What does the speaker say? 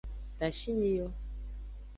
Tashinyi yo.